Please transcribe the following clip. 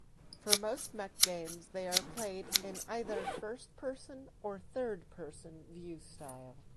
For most mech games, they are played in either first-person or third-person view style.